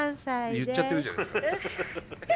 言っちゃってるじゃないですか。